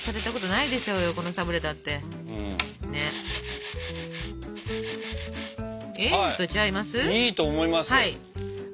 いいと思います。